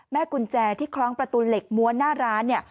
กุญแจที่คล้องประตูเหล็กม้วนหน้าร้านเนี่ย